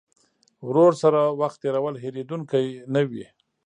ورور سره وخت تېرول هېرېدونکی نه وي.